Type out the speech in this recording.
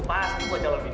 pasti buat calon bini lu